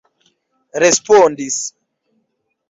respondis